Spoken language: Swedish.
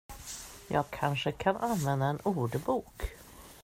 Jag kanske kan använda en ordbok.